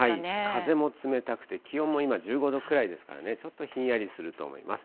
風も冷たくて、気温も今１５度くらいですからね、ちょっとひんやりすると思います。